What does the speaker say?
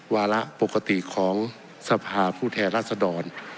วาระปกติของสภาผู้แทนรัศดร